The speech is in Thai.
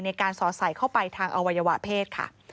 สอดใส่เข้าไปทางอวัยวะเพศค่ะ